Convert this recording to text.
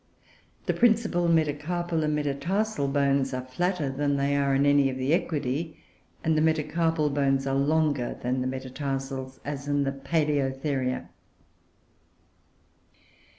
The principal metacarpal and metatarsal bones are flatter than they are in any of the Equidoe; and the metacarpal bones are longer than the metatarsals, as in the Paloeotheria.